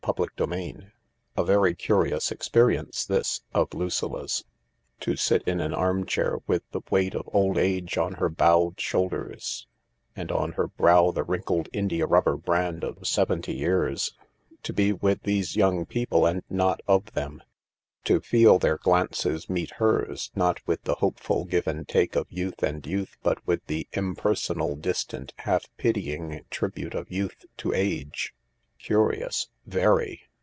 CHAPTER XXVII A very curious experience this, of Lucilla 's : to sit in an armchair, with the weight of old age on her bowed shoulders and on her brow the wrinkled indiarubber brand of seventy years ; to be with these young people and not of them ; to feel their glances meet hers— not with the hopeful give and take of youth and youth, but with the impersonal, distant, half pitying tribute of youth to age. Curious, very.